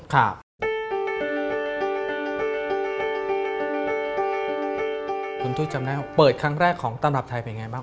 คุณทุจำแล้วเปิดครั้งแรกของตำรับไทยเป็นอย่างไรบ้าง